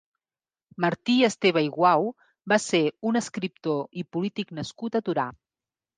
Martí Esteve i Guau va ser un escriptor i polític nascut a Torà.